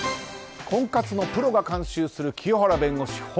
婚活のプロが監修する清原弁護士